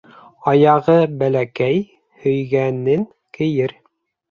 Аяғы бәләкәй һөйгәнен кейер.